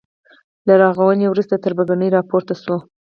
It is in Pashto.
له رغاونې وروسته تربګنۍ راپورته شوې.